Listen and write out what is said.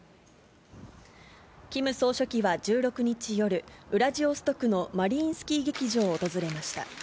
キム総書記は１６日夜、ウラジオストクのマリインスキー劇場を訪れました。